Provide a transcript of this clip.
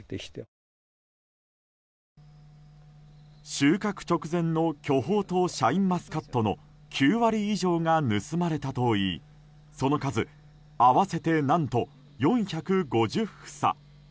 収穫直前の巨峰とシャインマスカットの９割以上が盗まれたといいその数、合わせて何と４５０房。